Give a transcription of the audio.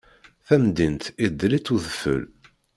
Tamdint idel-itt udfel.